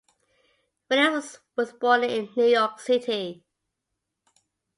Willis was born in New York City.